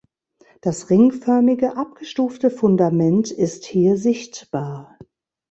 Das ringförmige, abgestufte Fundament ist hier sichtbar.